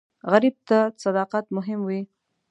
غریب ته صداقت مهم وي